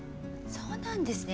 そうなんですね